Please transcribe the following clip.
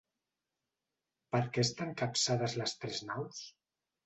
Per què estan capçades les tres naus?